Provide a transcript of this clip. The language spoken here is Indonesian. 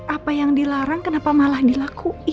apa yang dilarang kenapa malah dilakuin